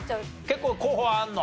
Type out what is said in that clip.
結構候補はあるの？